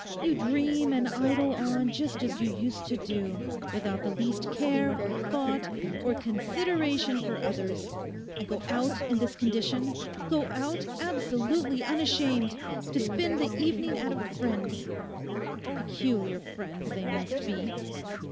You dream and idle on just as you used to do, without the least care or thought or consideration for others; and go out in this condition—go out absolutely unashamed—to spend the evening at a friend's. Peculiar friends they must be.